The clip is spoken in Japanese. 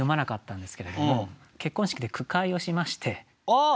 ああ！